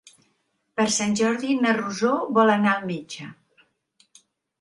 Per Sant Jordi na Rosó vol anar al metge.